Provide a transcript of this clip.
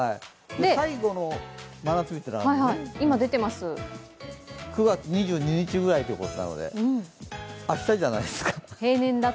最後の真夏日っていうのが９月２２日ぐらいということなので、明日じゃないですか。